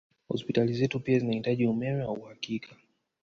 Hospitali zetu pia zinahitaji umeme wa uhakika